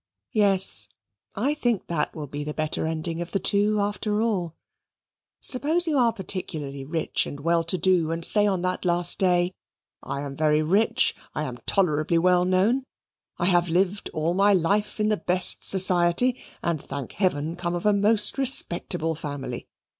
Yes, I think that will be the better ending of the two, after all. Suppose you are particularly rich and well to do and say on that last day, "I am very rich; I am tolerably well known; I have lived all my life in the best society, and thank Heaven, come of a most respectable family.